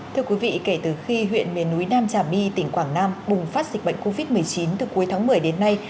thưa quý vị kể từ khi huyện miền núi nam trà my tỉnh quảng nam bùng phát dịch bệnh covid một mươi chín từ cuối tháng một mươi đến nay